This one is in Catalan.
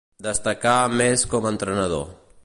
Destacà més com a entrenador.